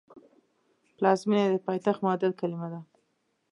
پلازمېنه د پایتخت معادل کلمه ده